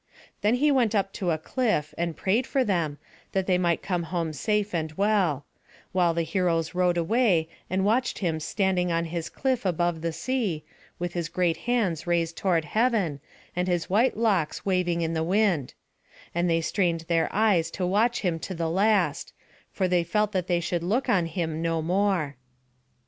Then he went up to a cliff, and prayed for them, that they might come home safe and well; while the heroes rowed away, and watched him standing on his cliff above the sea, with his great hands raised toward heaven, and his white locks waving in the wind; and they strained their eyes to watch him to the last, for they felt that they should look on him no more.